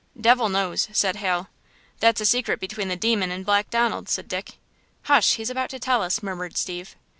"Devil knows," said Hal. "That's a secret between the Demon and Black Donald," said Dick. "Hush! he's about to tell us," murmured Steve.